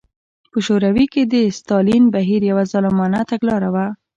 په شوروي کې د ستالین بهیر یوه ظالمانه تګلاره وه.